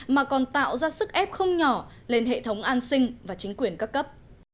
mà còn tạo ra sức ép không nhỏ lên hệ thống an sinh và chính quyền các cấp